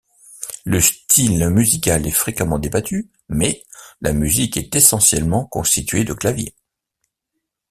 Le style musical est fréquemment débattu mais, la musique est essentiellement constituée de claviers.